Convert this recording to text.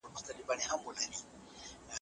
پیسې د ژوند وسیله ده نه هدف.